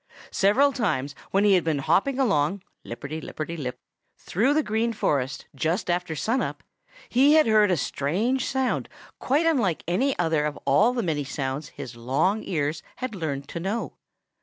Several times when he had been hopping along, lipperty lipperty lip, through the Green Forest just after sun up, he had heard a strange sound quite unlike any other of all the many sounds his long ears had learned to know.